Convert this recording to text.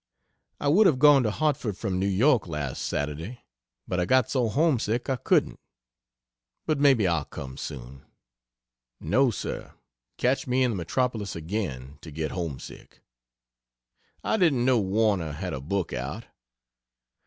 I would have gone to Hartford from New York last Saturday, but I got so homesick I couldn't. But maybe I'll come soon. No, Sir, catch me in the metropolis again, to get homesick. I didn't know Warner had a book out.